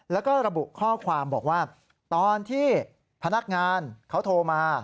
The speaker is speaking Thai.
แล้วก็ระบุข้อความบอกว่าตอนที่พนักงานเขาโทรมา